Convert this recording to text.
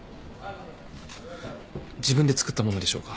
自分で作ったものでしょうか。